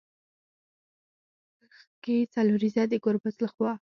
ښکې څلوريزه د ګربز له خوا